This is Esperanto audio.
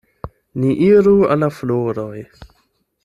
Ni iru al la floroj.